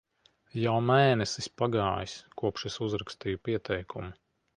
Jau mēnesis pagājis, kopš es uzrakstīju pieteikumu.